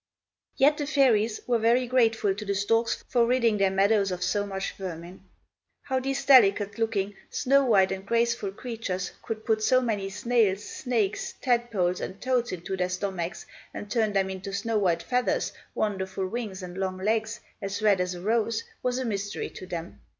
Yet the fairies were very grateful to the storks for ridding their meadows of so much vermin. How these delicate looking, snow white and graceful creatures could put so many snails, snakes, tadpoles, and toads into their stomachs and turn them into snow white feathers, wonderful wings and long legs, as red as a rose, was a mystery to them.